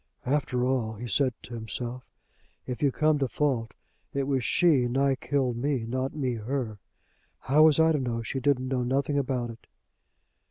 "After all," he said to himself, "if you come to fault it was she nigh killed me, not me her. How was I to know she didn't know nothing about it!"